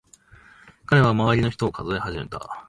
彼は周りの人を数え始めた。